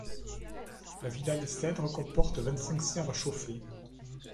La villa Les Cèdres comporte vingt-cinq serres chauffées.